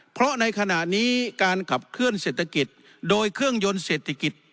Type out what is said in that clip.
เพราะในขณะนี้การขับเคลื่อนเศรษฐกิจโดยเครื่องยนต์เศรษฐกิจ